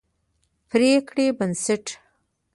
پرېکړې پربنسټ